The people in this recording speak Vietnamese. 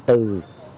bảy lần trùng thu